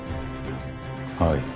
はい。